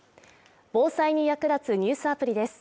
防災に役立つニュースアプリです。